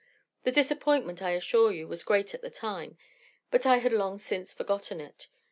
The disappointment, I assure you, was great at the time; but I had long since forgotten it.